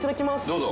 ・どうぞ。